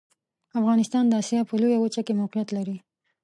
افغانستان د اسیا په لویه وچه کې موقعیت لري.